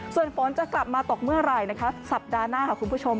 ส่วนฝนจะกลับมาตกเมื่อไหร่นะคะสัปดาห์หน้าค่ะคุณผู้ชม